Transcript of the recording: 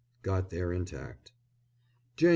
Got there intact. _Jan.